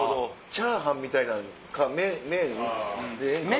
チャーハンみたいなんか麺麺？